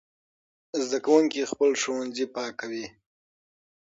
زده کوونکي خپل ښوونځي پاکوي.